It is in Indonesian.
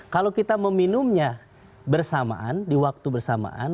kalau kita meminumnya bersamaan di waktu bersamaan